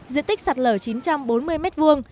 diện tích sạt lở chín trăm bốn mươi mét vuông